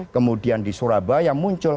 kemudian di surabaya muncul